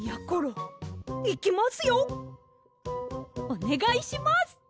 おねがいします！